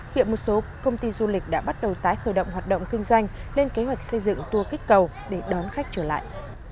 hiện một số công ty du lịch đã bắt đầu tái khởi động hoạt động kinh doanh lên kế hoạch xây dựng tour kích cầu để đón khách trở lại